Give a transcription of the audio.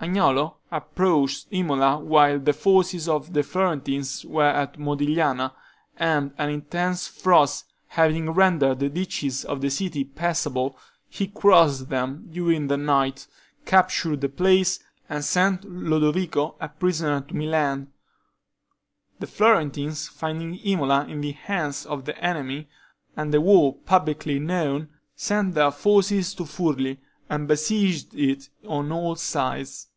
Agnolo approached Imola while the forces of the Florentines were at Modigliana, and an intense frost having rendered the ditches of the city passable, he crossed them during the night, captured the place, and sent Lodovico a prisoner to Milan. The Florentines finding Imola in the hands of the enemy, and the war publicly known, sent their forces to Furli and besieged it on all sides.